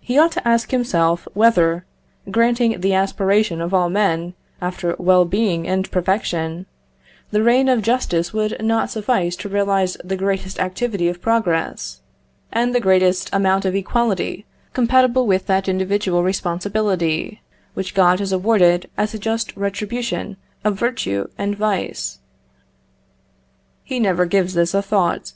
He ought to ask himself whether, granting the aspiration of all men after well being and perfection, the reign of justice would not suffice to realise the greatest activity of progress, and the greatest amount of equality compatible with that individual responsibility which God has awarded as a just retribution of virtue and vice? He never gives this a thought.